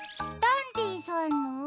ダンディさんの？